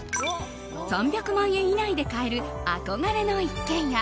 ３００万円以内で買える憧れの一軒家。